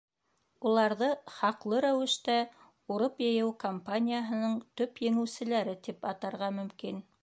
Уларҙы хаҡлы рәүештә урып йыйыу кампанияһының төп еңеүселәре тип атарға мөмкин.